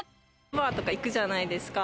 バーとか行くじゃないですか。